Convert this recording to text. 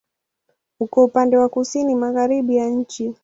Uko upande wa kusini-magharibi ya nchi.